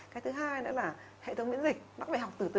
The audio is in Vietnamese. cái thứ hai nữa là hệ thống biễn dịch nó phải học từ từ